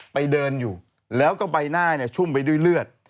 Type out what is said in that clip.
ไปเดินอยู่แล้วก็ใบหน้าชุ่มไปด้วยเลือด